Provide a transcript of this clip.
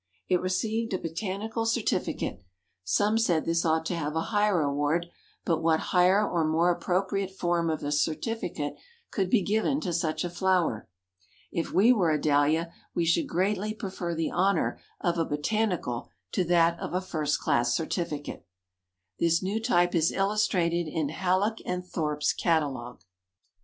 It received a Botanical Certificate; some said this ought to have a higher award, but what higher or more appropriate form of a certificate could be given to such a flower. If we were a Dahlia, we should greatly prefer the honor of a 'Botanical,' to that of a 'First Class Certificate.'" This new type is illustrated in Hallock & Thorp's Catalogue.